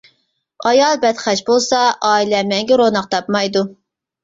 ئايال بەتخەج بولسا، ئائىلە مەڭگۈ روناق تاپمايدۇ.